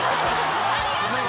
ありがとう！